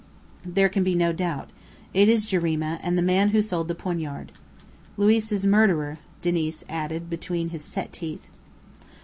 "There can be no doubt. It is Jarima, and the man who sold the poignard." "Luiz's murderer," Diniz added between his set teeth.